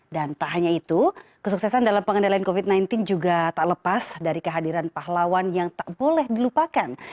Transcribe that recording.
tak hanya itu kesuksesan dalam pengendalian covid sembilan belas juga tak lepas dari kehadiran pahlawan yang tak boleh dilupakan